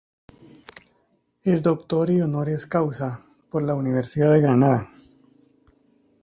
Es doctora "honoris causa" por la Universidad de Granada